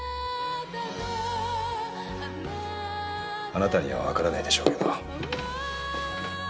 あなたには分からないでしょうけど。